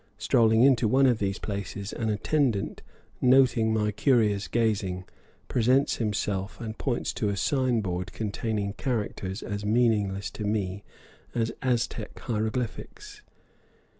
Strolling into one of these places, an attendant, noting my curious gazing, presents himself and points to a sign board containing characters as meaningless to me as Aztec hieroglyphics.